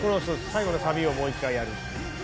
最後のサビをもう一回やる。